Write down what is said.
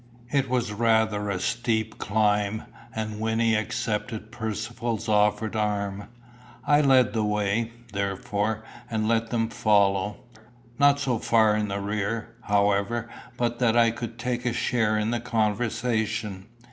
It was rather a steep climb, and Wynnie accepted Percivale's offered arm. I led the way, therefore, and left them to follow not so far in the rear, however, but that I could take a share in the conversation.